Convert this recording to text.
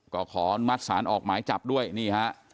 ก็ขอมัดสารออกหมายจับด้วยนี่ฮะ